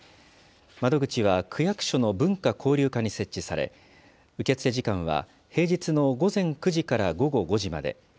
窓口は区役所の文化・交流課に設置され、受け付け時間は平日の午前９時から午後５時まで。